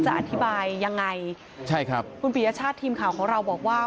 จะอธิบายยังไงคือผิดชาติทีมข่าวของเราบอกว่า